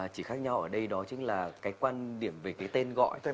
chỉ khác nhau ở đây đó chính là cái quan điểm về cái tên gọi thôi